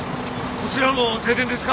こちらも停電ですか？